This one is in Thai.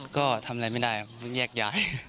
ก็ทำอะไรไม่ได้เงียบ